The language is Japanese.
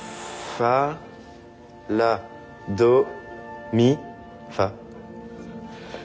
ファラドミファ。